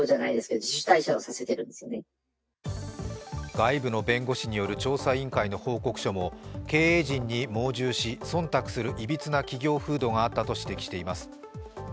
外部の弁護士による調査委員会の報告書も経営陣に盲従し、忖度するいびつな企業風土があったと指摘しています。